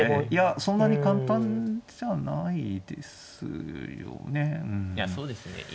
いやそんなに簡単じゃないですよね。